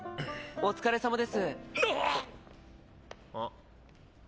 お疲れさまです。